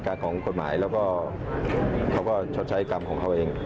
การของกฎหมายเขาก็ใช้กรรมของเขาเอง